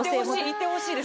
行ってほしいです。